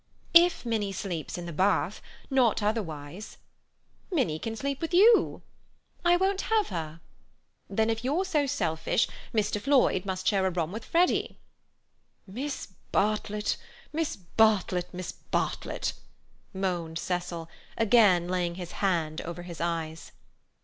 "If Minnie sleeps in the bath. Not otherwise." "Minnie can sleep with you." "I won't have her." "Then, if you're so selfish, Mr. Floyd must share a room with Freddy." "Miss Bartlett, Miss Bartlett, Miss Bartlett," moaned Cecil, again laying his hand over his eyes.